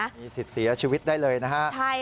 มีสิทธิ์เสียชีวิตได้เลยนะฮะ